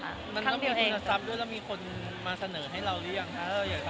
มันมีคุณทบด้วยแล้วมีคนมาเสนอให้เรายังคะ